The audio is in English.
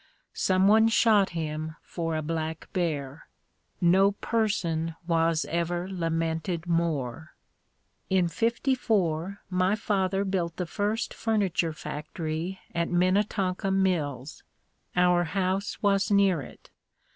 Someone shot him for a black bear. No person was ever lamented more. In '54 my father built the first furniture factory at Minnetonka Mills. Our house was near it.